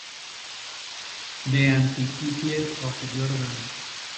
The Antiquities of Jordan.